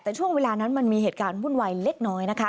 แต่ช่วงเวลานั้นมันมีเหตุการณ์วุ่นวายเล็กน้อยนะคะ